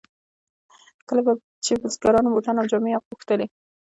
کله به چې بزګرانو بوټان او جامې غوښتلې.